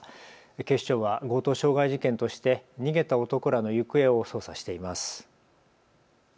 警視庁は強盗傷害事件として逃げた男らの行方を捜査しています。